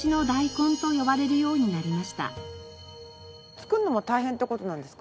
作るのも大変って事なんですか？